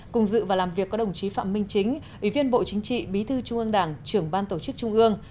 cùng dự và làm việc có đồng chí phạm minh chính ủy viên bộ chính trị bí thư trung ương đảng trưởng ban tổ chức trung ương